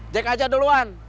jek aja duluan